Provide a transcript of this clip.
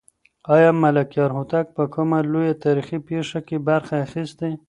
آیا ملکیار هوتک په کومه لویه تاریخي پېښه کې برخه اخیستې؟